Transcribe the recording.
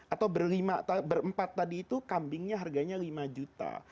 atau berempat tadi itu kambingnya harganya lima juta